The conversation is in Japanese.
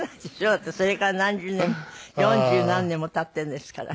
だってそれから何十年四十何年も経っているんですから。